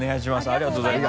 ありがとうございます。